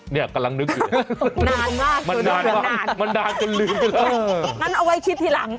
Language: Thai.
เนี่ยกำลังนึกอยู่มันนานจนลืมไปแล้วงั้นเอาไว้คิดที่หลัง